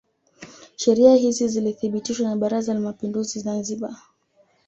Sheria hizi zilithibitishwa na Baraza la Mapinduzi Zanzibar